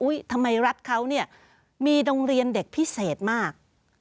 ทำไมรัฐเขาเนี่ยมีโรงเรียนเด็กพิเศษมาก